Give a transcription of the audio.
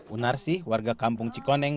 unarsi warga kampung cikoneng